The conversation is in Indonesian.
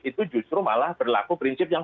itu justru malah berlaku prinsip yang